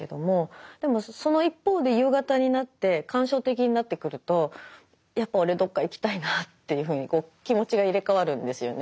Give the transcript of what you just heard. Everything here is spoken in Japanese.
でもその一方で夕方になって感傷的になってくるとやっぱ俺どっか行きたいなというふうに気持ちが入れ代わるんですよね。